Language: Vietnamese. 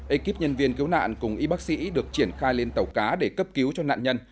ekip nhân viên cứu nạn cùng y bác sĩ được triển khai lên tàu cá để cấp cứu cho nạn nhân